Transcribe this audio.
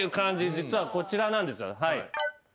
実はこちらなんです。